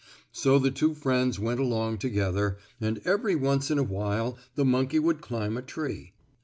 So the two friends went along together, and every once in a while the monkey would climb a tree.